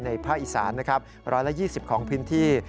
ในภาคอีสานนะครับร้อยละ๒๐ของพื้นที่